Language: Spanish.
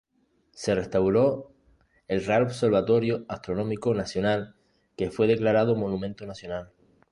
Se restauró el Real Observatorio Astronómico Nacional, que fue declarado monumento nacional.